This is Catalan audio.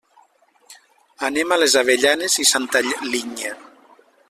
Anem a les Avellanes i Santa Linya.